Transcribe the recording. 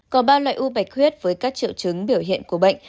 có ba loại u bạch huyết với các triệu chứng biểu hiện của bệnh